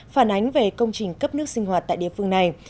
phản ánh về công trình cấp nước sinh hoạt tại địa phương này